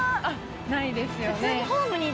ないですよね。